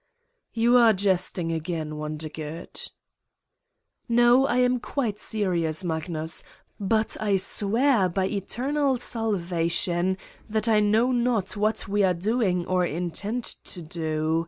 "You are jesting again, Wondergood." "No, I am quite serious, Magnus. But I swear by eternal salvation that I know not what we are doing or intend to do.